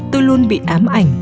tôi luôn bị ám ảnh